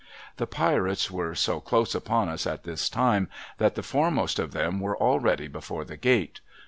'I'he Pirates were so close upon us at this time, that the foremost of them were already before the gate.